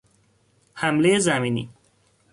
حملهی زمینی